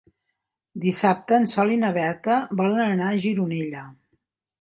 Dissabte en Sol i na Berta volen anar a Gironella.